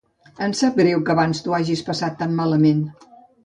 Em sap greu que abans ho hagis passat tan malament.